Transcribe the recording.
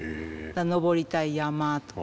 登りたい山とか。